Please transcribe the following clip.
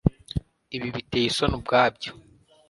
Ibi biteye isoni ubwabyo.